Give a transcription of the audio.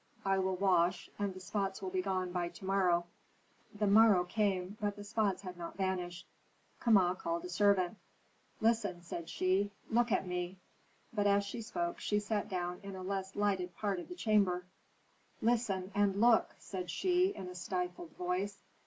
I will wash, and the spots will be gone by to morrow." The morrow came, but the spots had not vanished. Kama called a servant. "Listen!" said she. "Look at me!" But as she spoke she sat down in a less lighted part of the chamber. "Listen and look!" said she, in a stifled voice.